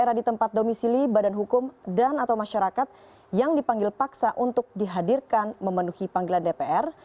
era di tempat domisili badan hukum dan atau masyarakat yang dipanggil paksa untuk dihadirkan memenuhi panggilan dpr